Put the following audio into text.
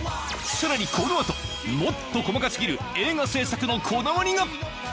さらにこの後もっと細か過ぎる映画制作のこだわりが！